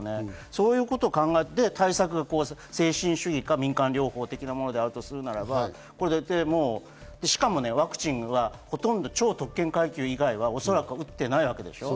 そういうことを考えて精神主義か民間療法とあるならば、しかもワクチンがほとんど超特権階級以外は打っていないわけですね。